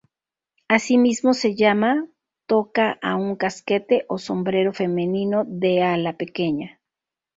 Asimismo se llama toca a un casquete o sombrero femenino de ala pequeña.